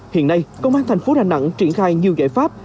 hiện nay công an thành phố đà nẵng triển khai nhiều giải pháp